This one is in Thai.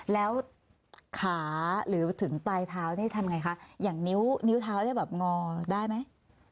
แล้วขาหรือถึงปลายเท้านี่ทำไงคะอย่างนิ้วนิ้วเท้าเนี่ยแบบงอได้ไหม